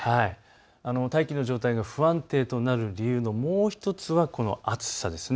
大気の状態が不安定となる理由のもう１つはこの暑さです。